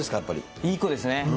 いい子ですね。